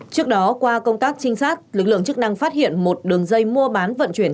trước đó qua công tác trinh sát lực lượng chức năng phát hiện một đường dây mua bán vận chuyển